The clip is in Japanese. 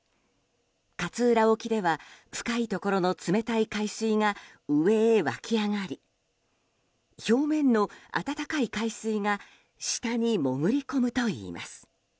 勝浦沖では深いところの冷たい海水が上へ湧き上がり表面の温かい海水が下に潜り込むといいます。